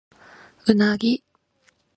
うなぎ